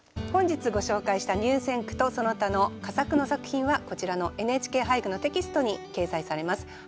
本日ご紹介した入選句とその他の佳作の作品はこちらの「ＮＨＫ俳句」のテキストに掲載されます。